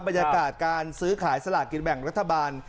บรรยากาศการซื้อขายสลากกินแบ่งรัฐบาล